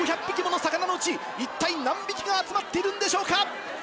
１５００匹もの魚のうち一体何匹が集まっているんでしょうか。